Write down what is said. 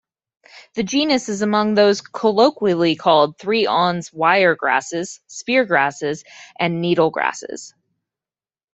This genus is among those colloquially called three-awns wiregrasses, speargrasses and needlegrasses.